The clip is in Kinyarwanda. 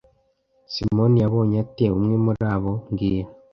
Simoni yabonye ate umwe muri abo mbwira